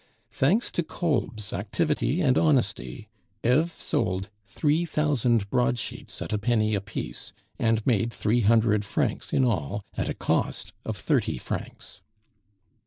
Thanks to Kolb's activity and honesty, Eve sold three thousand broad sheets at a penny apiece, and made three hundred francs in all at a cost of thirty francs.